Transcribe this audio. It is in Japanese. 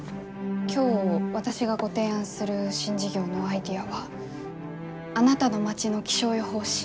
今日私がご提案する新事業のアイデアは「あなたの町の気象予報士